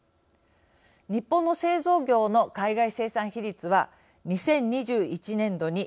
日本の製造業の海外生産比率は２０２１年度に２２．３％。